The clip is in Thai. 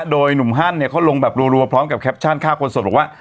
โดยหนุ่มฮั่นเนี่ยเขาลงแบบรัวพร้อมกับแคปชั่นฆ่าคนสดบอกว่า